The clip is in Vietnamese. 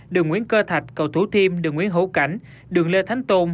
đường nguyễn cơ thạch cầu thủ thiêm đường nguyễn hữu cảnh đường lê thánh tôn